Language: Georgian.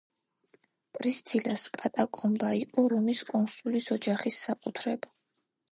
პრისცილას კატაკომბა იყო რომის კონსულის ოჯახის საკუთრება.